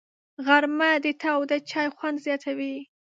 غرمه د تاوده چای خوند زیاتوي